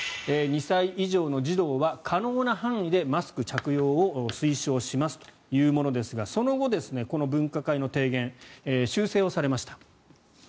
２歳以上の児童は可能な範囲でマスク着用を推奨しますというものですがその後、この分科会の提言修正をされました。